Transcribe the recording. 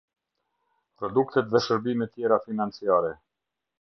Produktet dhe shërbimet tjera financiare.